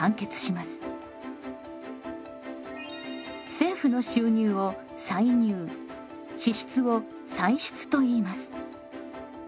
政府の収入を歳入支出を歳出といいます。